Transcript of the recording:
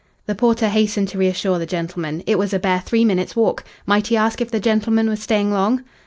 The porter hastened to reassure the gentleman. It was a bare three minutes' walk. Might he ask if the gentleman was staying long?